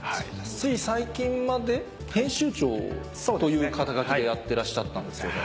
つい最近まで編集長を？という肩書きでやってらっしゃったんですよね。